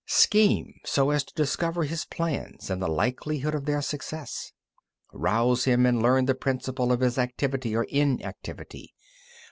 Scheme so as to discover his plans and the likelihood of their success. 23. Rouse him, and learn the principle of his activity or inactivity.